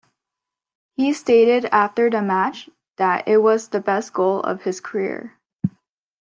He stated after the match that it was the best goal of his career.